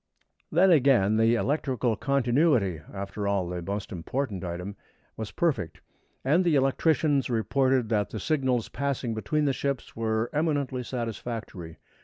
Then again, the electrical continuity after all, the most important item was perfect, and the electricians reported that the signals passing between the ships were eminently satisfactory.